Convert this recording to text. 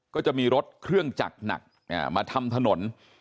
ก็จะมีรถเครื่องจักรหนักมาทำถนน